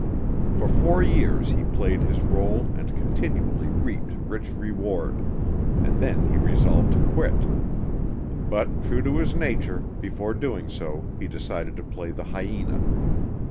For four years he played his rôle and continually reaped rich reward, and then he resolved to quit. But, true to his nature, before doing so he decided to play the hyena.